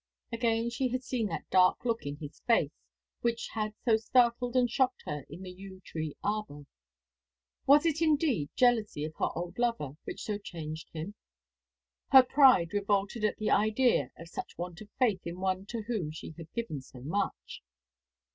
Again she had seen that dark look in his face which had so startled and shocked her in the yew tree arbour. Was it indeed jealousy of her old lover which so changed him? Her pride revolted at the idea of such want of faith in one to whom she had given so much.